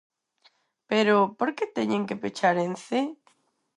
Pero ¿por que teñen que pechar Ence?